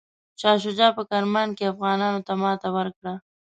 شاه شجاع په کرمان کې افغانانو ته ماته ورکړه.